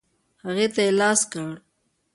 هغې ته یې لاس کړ.